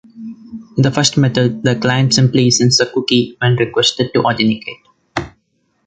In the first method, the client simply sends the cookie when requested to authenticate.